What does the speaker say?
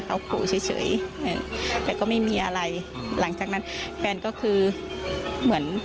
เขาขู่เฉยเฉยแต่ก็ไม่มีอะไรหลังจากนั้นแฟนก็คือเหมือน